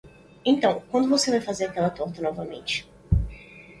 Então, quando você vai fazer aquela torta novamente?